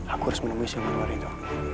aku harus menemui sama luar itu